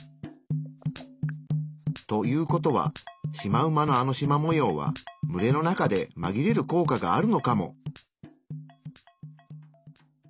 という事はシマウマのあのしま模様は群れの中でまぎれる効果があるのかも。